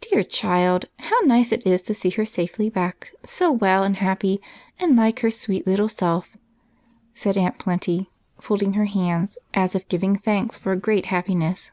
"Dear child how nice it is to see her safely back, so well and happy and like her sweet little self!" said Aunt Plenty, folding her hands as if giving thanks for a great happiness.